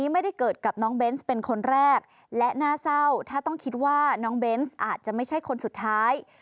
ไม่ใช่คนสุดท้าย